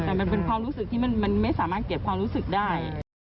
แต่มันเป็นความรู้สึกที่มันไม่สามารถเก็บความรู้สึกได้